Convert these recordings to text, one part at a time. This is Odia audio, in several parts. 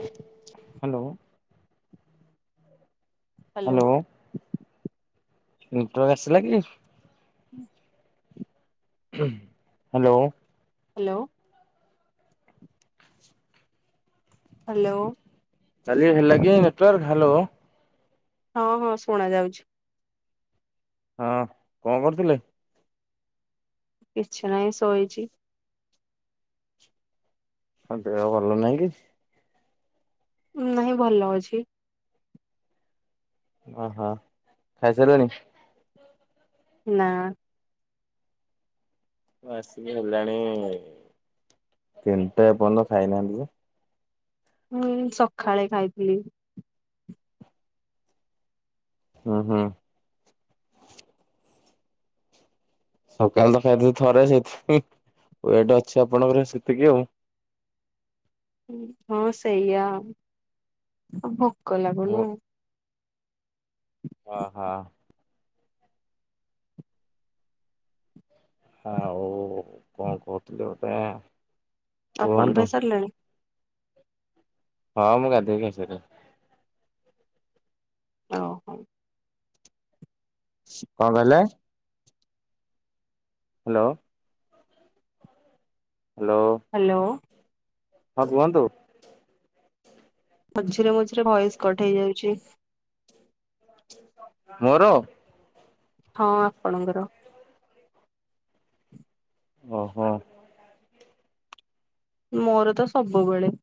ହୁଁ। ହ୍ୟାଲୋ। ହ୍ୟାଲୋ। ନେଟୱର୍ ଆସିଲା କି? ହୁଁ ହ୍ୟାଲୋ ହ୍ୟାଲୋ ହ୍ୟାଲୋ କାଲି ହେଲା କିି ନେଟୱାର୍କ ହ୍ୟାଲୋ। ହଁ ହଁ ଶୁଣା ଯାଉଛି। ହଁ କଣ କରୁଥିଲେ? କିଛି ନାହିଁ ଶୋଇଛି। ହଁ ଦେହ ଭଲ ନାହିଁ କି? ନାଇଁ ଭଲ ଅଛି। ଓହୋ ଖାଇସାରିଲଣି? ନା। ଆସିକି ହେଲାଣି ତିନିଟା ଏ ପର୍ଯ୍ୟନ୍ତ ଖାଇନାହାନ୍ତି କଣ। ହଁ ସକାଳେ ଖାଇଥିଲି। ହଁ ହୁଁ ସକାଳ ତ ଖାଇଥିଲେ ଥରେ ସେଇଥିପାଇଁ ୱଟ ଅଛି ଆପଣଙ୍କର ସେତିକି ଆଉ। ହଁ ସେଇଆ ଭୋକ ମୁଁ ଲାଗୁନି। ଓ ହଁ। ଆଉ କଣ କହୁଥିଲେ ଗୋଟେ। ଆପଣ କୁହନ୍ତୁ ଖାଇ ସାରିଲେଣି? ହଁ ମୁଁ ଗାଧେଇକି ଖାଇସାରିଲେଣି। ଓ ହଉ। କଣ କହିଲେ? ହ୍ୟାଲୋ ହ୍ୟାଲୋ ହ୍ୟାଲୋ ହଁ କୁହନ୍ତୁ। ମଝିରେ ମଝିରେ ଭଏସ କଟ ହେଇ ଯାଉଛି। ମୋର ହଁ ଆପଣଙ୍କର। ଓହୋ। ମୋର ତ ସବୁବେଳେ।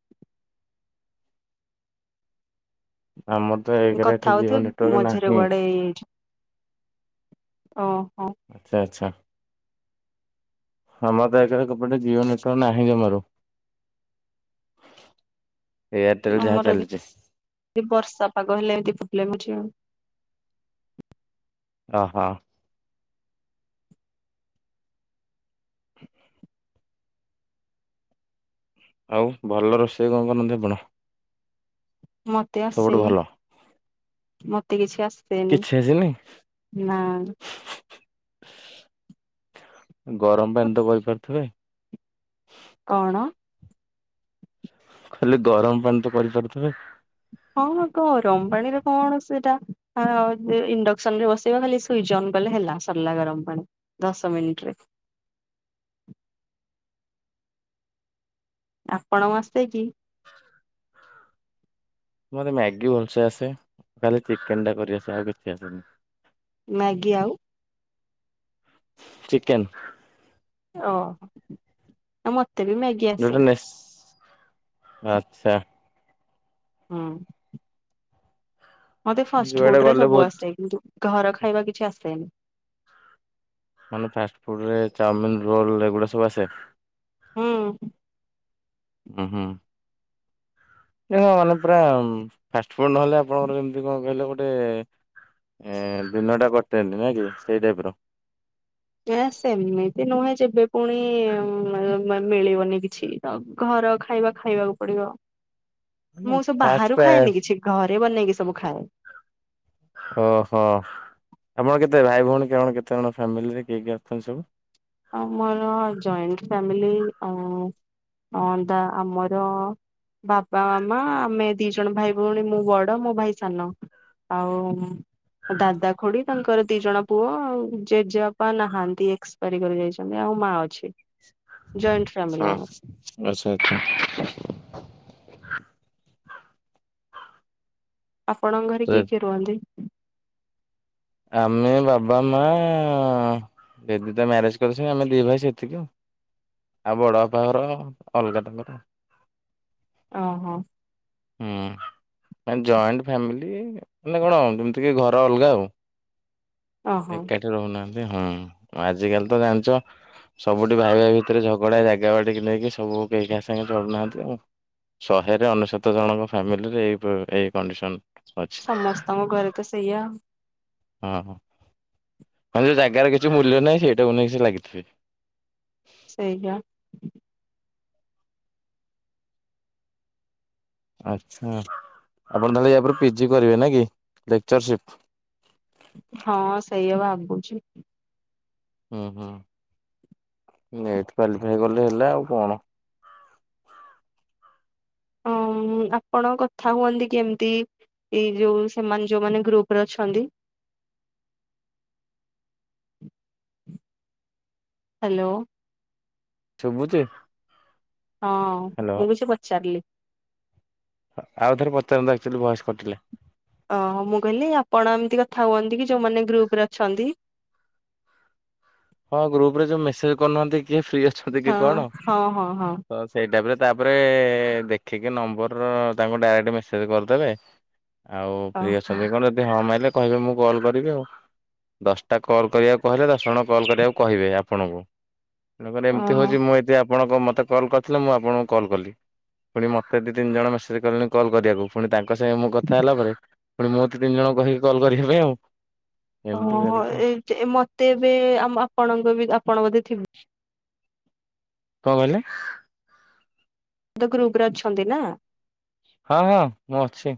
ଆମର। ତ ଏକରେ ଏଠି କଥା ଜିଓ ହଉଥିଲେ ନେଟୱାର୍କ ମଝିରେ ନାହିଁ। କୁଆଡେ ହେଇଯାଇଛି ଓହୋ। ଆଚ୍ଛା ଆଚ୍ଛା ହ ଆମର ତ ଏପଟେ ଜିଓ ନେଟୱାର୍କ ନାହିଁ ଜମାରୁ ଏୟାରଟେଲ ଯାହା ଆମର ଏମିତି ଚାଲିଛି। ବର୍ଷା ପାଗ ହେଲେ ଏମିତି ପ୍ରୋବେଲେମ ହେଉଛି ଆଉ ଓ ହଁ। ଆଉ ଭଲ ରୋଷେଇ କଣ କରନ୍ତି ଆପଣ? ମତେ ସବୁଠୁ ଆସେନି ଭଲ? ମତେ କିଛି ଆସେନି। କିଛି ଆସେନି। ନା ଗରମ ପାଣି ତ କରିପାରୁଥିବେ। କଣ? ଖାଲି ଗରମ ପାଣି ତ କରିପାରୁଥିବେ। ହଁ କଣ ଗରମ ପାଣିରେ କଣ ସେଟା ଇଣ୍ଡକ୍ସନ ରେ ବସେଇବ ଖାଲି। ସୁଇଜ ଅନ କଲେ ହେଲା ସରିଲା ଗରମ ପାଣି ଦଶ ମିନିଟରେ। ଆପଣଙ୍କୁ ଆସେ କି? ମତେ ମ୍ୟାଗି ଭଲସେ ଆସେ ଖାଲି ଚିକେନ ଟା କରିଆସେ ଆଉ କିଛି ଆସେନି। ମ୍ୟାଗି ଆଉ ଚିକେନ। ଓହୋ ମତେ ବି ମ୍ୟାଗି ଆସେ। ନୁଡୁନେଶ ଆଚ୍ଛା। ହୁଁ। ମତେ ଫାଷ୍ଟ ଯୁଆଡେ ଫୁଡ ରେ ଗଲେ ସବୁ ବହୁତ ଆସେ। କିନ୍ତୁ ଘର ଖାଇବା କିଛି ଆସେନି। ମାନେ ଫାଷ୍ଟଫୁଡ଼ ରେ ଚାଉମିନ ରୋଲ ଏଗୁଡ଼ା ସବୁ ଆସେ। ହୁଁ। ଉଁ ହୁଁ। ହ ମାନେ ପୁରା ଫାଷ୍ଟ ଫୁଡ ନହେଲେ ଆପଣଙ୍କର ଯେମିତି କଣ କହିଲେ ଗୋଟେ ଏ ଦିନଟା କଟେନି ନା କି ସେଇ ଟାଇପର। ଏ ସେମିତି ନୁହେଁ ଯେବେ ପୁଣି ମିଳିବନି କିଛି। ଘର ଖାଇବା ଖାଇବାକୁ ପଡିବ ମାନେ ମୁଁ ସବୁ ଫାଷ୍ଟ ବାହାରୁ ପ୍ରାୟ ଖାଏନି କିଛି। ଘରେ ବନେଇକି ସବୁ ଖାଏ। ଓହୋ ଆପଣ କେତେ ଭାଇ ଭଉଣୀ କଣ କେତେ ଜଣ ଫ୍ୟାମିଲିରେ କିଏ କିଏ ଅଛନ୍ତି ସବୁ? ଆଉ ମୋର ଜଏଣ୍ଟ ଫ୍ୟାମିଲି ଆଉ ଆମଦ ଆମର ବାପା ମାମା ଆମେ ଦି ଜଣ ଭାଇ ଭଉଣୀ ମୁଁ ବଡ ମୋ ଭାଇ ସାନ। ଆଉ ଦାଦା ଖୁଡି ତାଙ୍କର ଦି ଜଣ ପୁଅ ଆଉ ଜେଜେବାପା ନାହାନ୍ତି। ଏକ୍ସ ପାରି କରି ଯାଇଛନ୍ତି ଆଉ ମା ଅଛି। ଜଏଣ୍ଟ ଫ୍ୟାମିଲି ହଁ ଆମର ଆଛା ଆଛା। ଆପଣଙ୍କ ଘରେ କିଏ କିଏ ରୁହନ୍ତି? ଆମେ ବାବା ମା ବେବିତା ମ୍ୟାରେଜ କରିଚି ଆମେ ଦିଇ ଭାଇ ସେତିକି ଆଉ। ଆଉ ବଡ ବାପାଘର ଅଲଗା ତାଙ୍କର। ଓହୋ। ହୁଁ। ମାନେ ଜଏଣ୍ଟ ଫ୍ୟାମିଲି ହେଲେ କଣ ଯେମିତି କି ଘର ଅଲଗା ଆଉ। ଓହୋ ଏକାଠି ରହୁନାହାନ୍ତି ହଁ ଆଜିିକାଲି ତ ଜାଣିଚ ସବୁଠି ଭାଇ ଭାଇ ଭିତରେ ଝଗଡା ଜାଗା ବାଡିକି ନେଇକି ସବୁ କେହି କା ସାଙ୍ଗରେ ଚଳୁନାହାନ୍ତି ଆଉ। ଶହେରେ ଅନେଶତ ଜଣଙ୍କ ଫ୍ୟାମିଲିରେ ଏଇ ପ ଏଇ କଣ୍ଡିସନ। ଅଛି ସମସ୍ତଙ୍କ ଘରେ ତ ସେଇଆ। ହଁ ହଁ ମାନେ ଯୋଉ ଜାଗାର କିଛି ମୂଲ୍ୟ ନାହିଁ ସେଇଟାକୁ ନେଇକି ସେ ଲାଗିଥିବେ। ସେଇଆ। ଆଚ୍ଛା ଆପଣ ତାହେଲେ ୟାପରେ ପିଜି କରିବେ ନା କି ଲେକ୍ଚରସିପ୍। ହଁ ସେଇଆ ଭାବୁଚି। ଉଁ ହୁଁ ନେଟେ କ୍ଵାଲିଫାଇ କଲେ ହେଲା ଆଉ କଣ? ହୁଁ ଆପଣ କଥା ହୁଅନ୍ତି କେମିତି? ଏଇ ଯୋଉ ସେମାନେ ଯୋଉମାନେ ଗ୍ରୁପ ରେ ଅଛନ୍ତି। ହାଲୋ। ଶବୁଛି। ହଁ ମୁଁ କିଛି ପଚାରିଲି। ହ ଆଉଥରେ ପଚାରନ୍ତୁ ଆକ୍ଚୁଆଲି ଭୟସ କଟିଲା। ଓ ମୁଁ କହିଲି ଆପଣ ଏମିତି କଥା ହୁଅନ୍ତି କି ଯୋଉମାନେ ଗ୍ରୁପ ରେ ଅଛନ୍ତି? ହଁ ଗ୍ରୁପ ରେ ଯୋଉ ମେସେଜ କରୁନାହାନ୍ତି କିଏ ଫ୍ରି ଅଛନ୍ତି କି କଣ? ହଁ ସେଇଟାପରେ ତାପରେ ଦେଖିକି ନମ୍ବର ତାଙ୍କୁ ଡାଇରେକ୍ଟ ମେସେଜ କରିଦେବେ। ଆଉ ଫ୍ରି ଓହୋ ଅଛନ୍ତି କଣ? ହଁ ମାଇଲେ କହିବେ ମୁଁ କଲ୍ କରିବି ଆଉ ଦଶଟା କଲ୍ କରିବାକୁ ହେଲେ ଦଶଜଣ କଲ୍ କରିବାକୁ କହିବେ ଆପଣଙ୍କୁ ତେଣୁ କରି ଏମିତି ଓହୋ। ହଉଚି ମୁଁ ଯଦି ଆ ଆପଣଙ୍କ ମୋତେ କଲ୍ କରିଥିଲେ ମୁଁ ଆପଣଙ୍କୁ କଲ୍ କଲି। ପୁଣି ମତେ ଦିଇ ତିନି ଜଣ ମେସେଜ୍ କଲେଣି କଲ କରିବାକୁ ପୁଣି ତାଙ୍କ ସାଙ୍ଗେ ମୁଁ କଥା ହେଲା ପରେ ପୁଣି ମୋତେ ତିନି ଜଣଙ୍କୁ କହିକି କଲ କରିବା ପାଇଁ ଆଉ। ଓ ଏମିତି ହ ଚାଲିଛି। ଜେ ଏ ମତେ ଏବେ ଆମ ଆପଣଙ୍କ ବି ଆପଣ ବୋଧେ ଥିବୁ କଣ କହିଲେ? ତ ଗ୍ରୁପ ରେ ଅଛନ୍ତି ନା? ହଁ ହଁ ମୁଁ ଅଛି।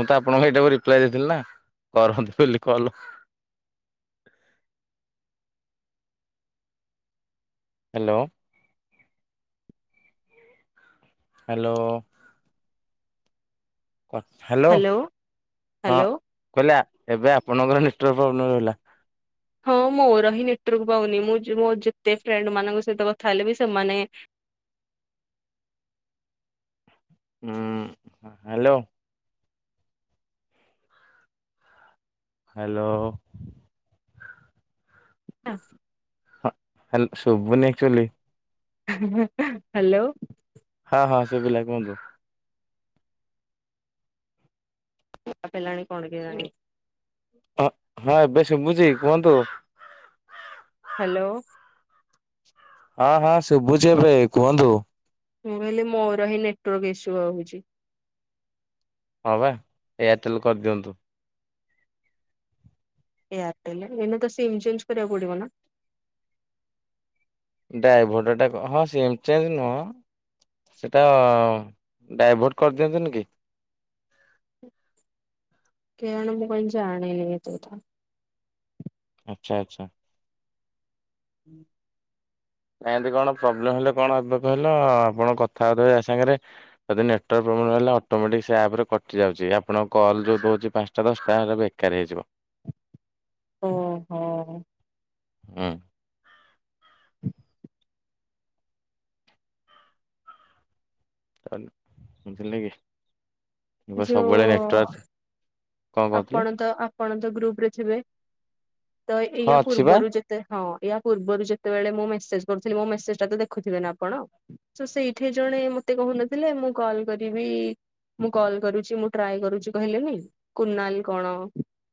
ମୁଁ ତ ଆପଣଙ୍କୁ ଏଇଟାକୁ ରିପ୍ଲାଏ ଦେଇଥିଲି ନା କରନ୍ତୁ ବୋଲି କଲ। ହ୍ୟାଲୋ। ହ୍ୟାଲୋ। ହ୍ୟାଲୋ ହଁ ହ୍ୟାଲୋ। କହିଲି ଏବେ ଆପଣଙ୍କର ନେଟୱାର୍କ ପ୍ରୋବ୍ଲେମ୍ ହେଲା। ହଁ ମୋର ହିଁ ନେଟୱାର୍କ ପାଉନି ମୁଁ ଜୋ ମୋ ଯେତେ ଫ୍ରେଣ୍ଡ ମାନଙ୍କ ସହିତ କଥା ହେଲେ ବି ସେମାନେ ହୁଁ ହ୍ୟାଲୋ। ହ୍ୟାଲୋ। ହସ୍ ହଁ ହଲ ଶୋଭୁନି ଏକକ୍ଚୁଲି। ହ୍ୟାଲୋ। ହଁ ହଁ ସୁବିଲା କୁହନ୍ତୁ। କାଟିଲାଣି କଣ କେଜାଣି। ହଁ ହଁ ଏବେ ସୁସୁଚି କୁହନ୍ତୁ। ହ୍ୟାଲୋ। ହଁ ହଁ ଶୁଭୁଛି ଏବେ କୁହନ୍ତୁ। ମୁଁ କହିଲି ମୋର ହିଁ ନେଟୱାର୍କ ଇସ୍ୟୁ ରଉଚି। ହଁ ବା ଏୟାରଟେଲ କରିଦିଅନ୍ତୁ। ଏୟାରଟେଲ ଏଇନା ତ ସିମ୍ ଚେଞ୍ଜ କରିବାକୁ ପଡିବ ନା? ଡାଇଭଟ ଟାକ ହଁ ସିମ୍ ଚେଞ୍ଜ ନୁହଁ ସେଇଟା ଡାଇଭର୍ଟ କରିଦିଅନ୍ତିନି କି? କେଜାଣି ମୁଁ କାଇଁ ଜାଣିନି ଏତେ କଥା। ଆଚ୍ଛା ଆଚ୍ଛା। ହୁଁ। ଆଁ ଏମିତି କଣ ପ୍ରୋବ୍ଲେମ ହେଲେ କଣ ହବ କହିଲ ଆପଣ କଥା ହବା ସାଙ୍ଗରେ ଯଦି ନେଟୱାର୍କ ପ୍ରୋବ୍ଲେମ୍ ହେଲା ଅଟୋମେଟିକ ସେ ଆପ ରେ କଟି ଯାଉଚି ଆପଣଙ୍କ କଲ୍ ଜୋଉ ଦଉଚି ପାଞ୍ଚଟା ଦଶଟା କାର ହୋଇଯିବ। ଓ ହୋ। ହୁଁ। ବୁଝିଲେ କି? ମୁଁ କହିଲି ସବୁବେଳେ ଯୋଉ ନେଟୱାର୍କ କଣ ଆପଣ କହୁଥିଲେ? ତ ଆପଣ ତ ଗ୍ରୁପ ରେ ଥିବେ ତ ଏଇ ହଁ ଆ ଅଛି ବା ପୂର୍ବରୁ ଯେ ତ ହଁ ୟା ପୂର୍ବରୁ ଯେତେବେଳେ ମୁଁ ମେସେଜ କରୁଥିଲି ମୋ ମେସେଜ ଟା ତ ଦେଖୁଥିବେ ନା ଆପଣ? ତ ସେଇଠେ ଜଣେ ମତେ କହୁନଥିଲେ ମୁଁ କଲ କରିବି କଲ କରୁଚି ମୁ ଟ୍ରାଏ କରଚି କହିଲେନି କୁନାଲ କଣ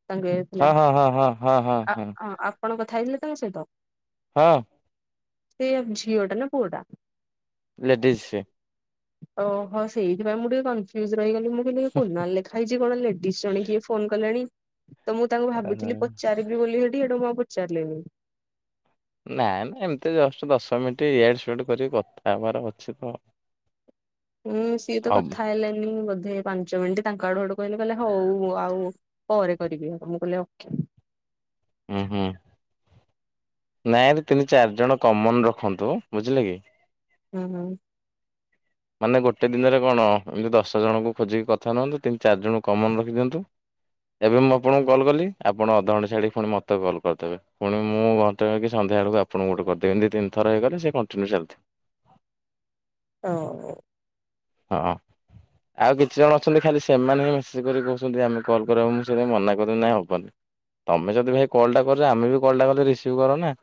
ତାଙ୍କ ଇଏ ଥିଲା ହଁ ହଁ ହଁ ହଁ ହଁ ହଁ ଆ ହଁ। ଆ ଆପଣ କଥା ହେଇଥିଲେ ତାଙ୍କ ସହିତ? ହଁ। ସିଏ ଝିଅ ଟା ନା ପୁଅ ଟା? ଲେଡିଜ ସେ। ଓ ହୋ ସେଇଥିପାଇଁ ମୁଁ ଟିକେ କନଫ୍ୟୁଜ ରହିଗଲି ମୁଁ କହିଲି ଏ କୁନାଲ ଲେ ଖାଇଚି କଣ ଲେଡିଜ ଜଣେ କିଏ ଫୋନ କଲେଣି ତ ମୁଁ ତାଙ୍କୁ ଓହୋ। ଭାବୁଥିଲି ପଚାରିବି ବୋଲି ସେଠି ସେଠୁ ମୁଁ ଆଉ ପଚାରିଲେନି। ନା ନା ଏମତି ଜଷ୍ଟ ଦଶ ମିନିଟ୍ ଇଆଡୁ ସିଆଡୁ କରିକି କଥା ହେବାର ଅଛି ତ। ହୁଁ, ସିଏ ତ ହବ କଥା ହେଲେନି ବୋଧେ। ପାଞ୍ଚ ମିନିଟ୍ ତାଙ୍କ ଆଡୁ ସେଉଠୁ କହିଲେ କହିଲେ ହଉ ଆଉ ପରେ କରିବି। ଆଉ ମୁଁ କହିଲି ଓକେ। ଉଁ, ହୁଁ ନାଇଁ ଏଠି ତିନି ଚାର ଜଣ କମନ୍ ରଖନ୍ତୁ ବୁଝିଲେ କି। ହଁ, ହଁ। ମାନେ ଗୋଟେ ଦିନରେ କଣ ଏମିତି ଦଶ ଜଣଙ୍କୁ ଖୋଜିକି କଥା ନିଅନ୍ତୁ। ତିନି ଚାରିଜଣଙ୍କୁ କମନ୍ ରଖିଦିଅନ୍ତୁ। ଏବେ ମୁଁ ଆପଣଙ୍କୁ କଲ୍ କଲି ଆପଣ ଅଧଘଣ୍ଟ ଛାଡ଼ିକି ପୁଣି ମୋତେ କଲ୍ କରିଦେବେ। ପୁଣି ମୁଁ ଘଣ୍ଟେ କି ସନ୍ଧ୍ୟାବେଳକୁ ଆପଣଙ୍କୁ ଗୋଟେ କରିଦେବି। ଏମତି ତିନ ଥର ହେଇଗଲେ ସେ କଣ୍ଟିନ୍ୟୁ ଚାଲିଥିବ। ଓ। ହଁ। ଆଉ କିଛି ଜଣ ଅଛନ୍ତି ଖାଲି ସେମାନେ ହିଁ ମେସେଜ୍ କରିକି କହୁଛନ୍ତି ଆମେ କଲ୍ କରାଅ, ମୁଁ ସେଟା ମନା କରେ ନାଇଁ ହବନି ତୋମେ ଯଦି ଭାଇ କଲ୍ ଟା କରିଚ, ଆମେ ବି କଲ୍ ଟା କଲେ ରିସିଭ୍ କର ନା।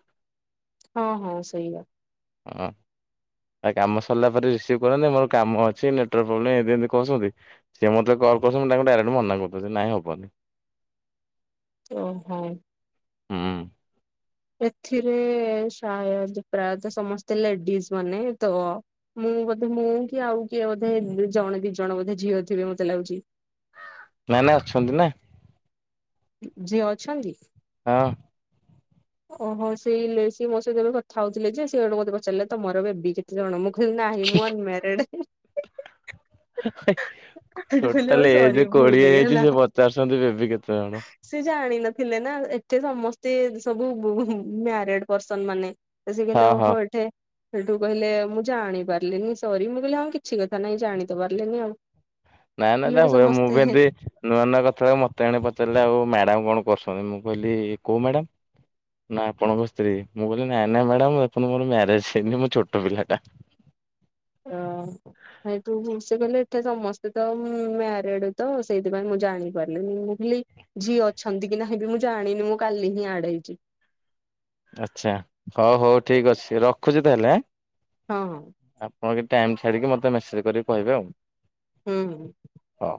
ହଁ, ହଁ ସେଇଆ। ଓ ଆଏ କାମ ସରିଲା ପରେ ରିସି ସିଭ୍ କରନ୍ତି, ମୋର କାମ ଅଛି ନେଟୱାର୍କ ପ୍ରୋବ୍ଲେମ୍ ଏମତି ଏମତି କହୁଛନ୍ତି। ସିଏ ମୋତ କଲ୍ କରୁଛନ୍ତି ମୁଁ ତାଙ୍କୁ ଡାଇରେକ୍ଟ ମନା କରଦଉଛି ନାହିଁ ହବନି। ଓ ହଁ। ହୁଁ। ଏଥିରେ ସାଏଦ୍ ପ୍ରାୟତ ସମସ୍ତେ ଲେଡିସ୍ ମାନେ ତ ମୁଁ ବୋଧେ ମୁଁ କି ଆଉ କିଏ ବୋଧେ ଜଣେ ଦି ଜଣ ବୋଧେ ଝିଅ ଥିବେ ମୋତେ ଲାଗୁଛି। ନା ନା ଅଛନ୍ତି ନା। ଝିଅ ଅଛନ୍ତି? ହଁ। ଓହୋ, ସେଇ ଲେ-ସିଏ ମୋ ସହିତ ଏବେ କଥା ହଉଥିଲେ ଯେ, ସିଏ ସେଉଠୁ ମୋତେ ପଚାରିଲେ ତୋମର ବେବି କେ ତେ ଜଣ ମୁଁ କହିଲି ନାହିଁ ମୁଁ ଅନମ୍ୟାରଡେ। ସେଠୁ କହିଲେ ଆଉ ଟୋଟାଲ ସରି ଏଜ୍ ଭୁଲ କୋଡିଏ ହେଇଛି ସିଏ ପଚାରୁଛନ୍ତି ଏବି କେତେ ଜଣ। ସିଏ ଜାଣିନଥିଲେ ନା ଏଠି ସମସ୍ତେ ସବୁ ବୁ-ମ୍ୟାରେଡ୍ ପର୍ସନ୍ ମାନେ। ତ ସିଏ କହିଲେ ହଁ ହଁ। ଓହୋ ଏଠେ ସେଠୁ କହିଲେ ମୁଁ ଜାଣି ପାରିଲିନି ସରି, ମୁଁ କହିଲି ହଁ କିଛି କଥା ନାହିଁ ଜାଣି ତ ପାରିଲେନି ଆଉ। ନା, ନା, କହିଲେ ନା ଏଠି ହୁଏ ମୁଁ ସମସ୍ତେ ବି ହେ ଏମତି ନୂଆ ନୂଆ କଥା ମୋତେ ମାନେ ପଚାରିଲେ ଆଉ ମ୍ୟାଡାମ୍ କଣ କରୁଛନ୍ତି? ମୁଁ କହିଲି କୋଉ ମ୍ୟାଡ଼ାମ୍? ନା ଆପଣଙ୍କ ସ୍ତ୍ରୀ, ମୁଁ କହିଲି ନା, ନା, ମ୍ୟାଡାମ୍ ମୋ ଏପନ୍ତ ମୋର ମ୍ୟାରେଜ୍ ହେଇନି ମୁଁ ଛୋଟ ପିଲା ଟା। ଓ ହୋ। ସେଠୁ ମୁଁ ସେ କହିଲେ ଏଠି ସମସ୍ତେ ତ ମ୍ୟାରେଡ୍ ତ ସେଇଥିପାଇଁ ମୁଁ ଜାଣିପାରିଲିନି। ମୁଁ କହିଲି ଝିଅ ଅଛନ୍ତି କି ନାହିଁ ବି ମୁଁ ଜାଣିନି ମୁଁ କାଲି ହିଁ ଆଡ଼୍ ହେଇଚି। ଆଚ୍ଛା ହଉ ହଉ ଠିକ୍ ଅଛି ରଖୁଛି ତାହେଲେ ଆଁ,। ହଁ, ହଁ। ଆପଣ ବି ଟାଇମ୍ ଛାଡିକି ମୋତେ ମେସେଜ୍ କରିକି କହିବେ ଆଉ। ହୁଁ, ହୁଁ। ହୋ।